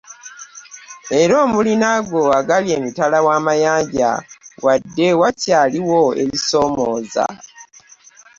Era omuli n'ago agali emitala w'amayanja wadde wakyaliwo ebisoomooza.